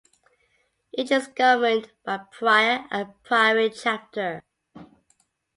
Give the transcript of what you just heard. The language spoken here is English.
Each is governed by a prior and a priory chapter.